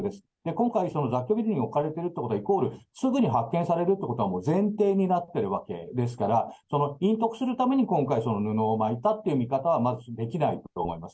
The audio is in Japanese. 今回、雑居ビルに置かれてるってことは、イコールすぐに発見されるってことはもう前提になってるわけですから、その隠匿するために今回、布を巻いたという見方はまずできないと思います。